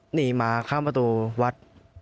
หนีมาข้างประตูวัด